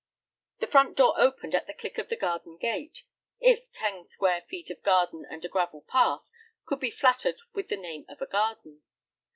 The front door opened at the click of the garden gate, if ten square feet of garden and a gravel path could be flattered with the name of a garden.